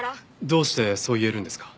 どうしてそう言えるんですか？